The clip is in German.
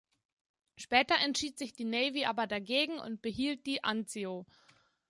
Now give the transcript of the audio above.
Später entschied sich die Navy aber dagegen und behielt die "Anzio".